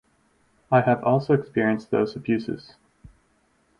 I have also experienced those abuses.